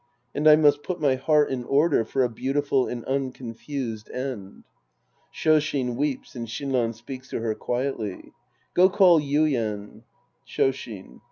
And I must put my heart in order for a beautiful and un confused end. (Shoshin weeps and Shinran speaks to her quietly^ Go call Yuien. Shoshin.